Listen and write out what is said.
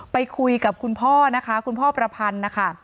ไปคุยกับคุณพ่อประพันธ์นะคะ